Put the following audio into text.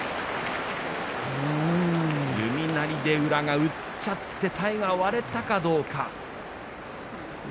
弓なりで宇良がうっちゃって体が割れたかどうか。